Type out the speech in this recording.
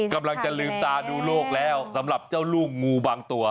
กำลังจะลืมตาดูโลกแล้วสำหรับเจ้าลูกงูบางตัว